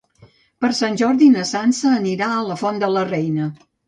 Per Sant Jordi na Sança anirà a la Font de la Reina.